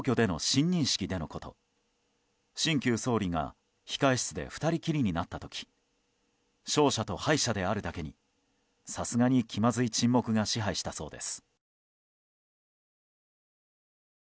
新旧総理が控え室で２人きりになった時勝者と敗者であるだけにさすがに気まずい沈黙が支配したそうです。